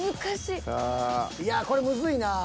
いやこれむずいなぁ。